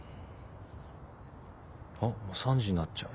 あっ３時になっちゃう。